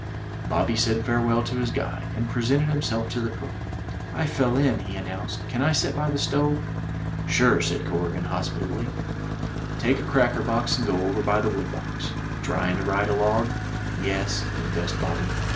Bobby said farewell to his guide, and presented himself to the cook. I fell in/' he announced, "can I sit by the stove?" "Sure," said Corrigan, hospitably . "Take a cracker box and go over by the wood box. Tryin' to ride a log?" "Yes," confessed Bobby.